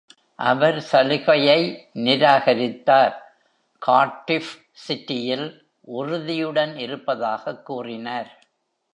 அவர் சலுகையை நிராகரித்தார், கார்டிஃப் சிட்டியில் உறுதியுடன் இருப்பதாகக் கூறினார்.